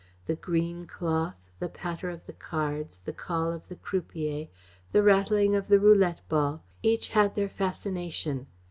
The green cloth, the patter of the cards, the call of the croupiers, the rattling of the roulette ball, each had their fascination.